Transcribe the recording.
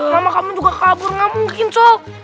mama kamu juga kabur gak mungkin sob